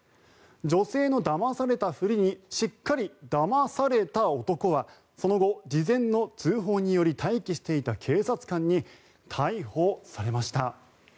女性のだまされたふりにしっかりだまされた男はその後、事前の通報により待機していた警察官に逮捕されました。